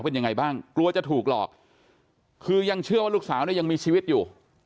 เป็นยังไงบ้างกลัวจะถูกหลอกคือยังเชื่อว่าลูกสาวเนี่ยยังมีชีวิตอยู่